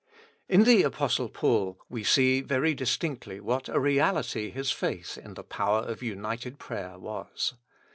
In the Apostle Paul we see very distinctly what a reality his faith in the power of united prayer was.